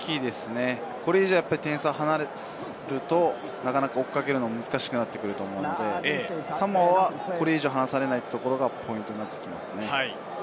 これ以上、点差が離れると、なかなか追いかけるのが難しくなってくると思うので、サモアはこれ以上、離されないことがポイントになってきますね。